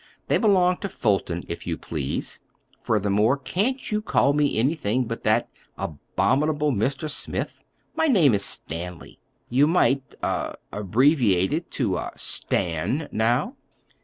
"They belong to Fulton, if you please. Furthermore, can't you call me anything but that abominable 'Mr. Smith'? My name is Stanley. You might—er—abbreviate it to—er—'Stan,' now."